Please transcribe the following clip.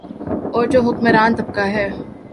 اورجو حکمران طبقہ ہے۔